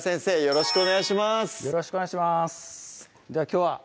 よろしくお願いします